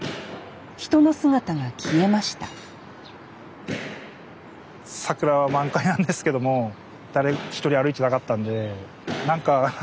人の姿が消えました桜は満開なんですけども誰一人歩いてなかったんで何か悲しい感じ